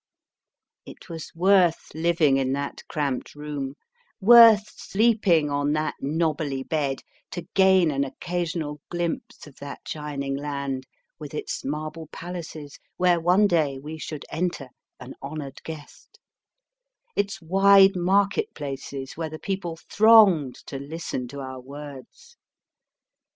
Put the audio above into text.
It was worth living in that cramped room, worth sleeping on that knobbly bed, to gain an occasional glimpse of that shining land, with its marble palaces, where one day we should enter, an honoured guest ; its wide market places, where the people thronged to listen to our words.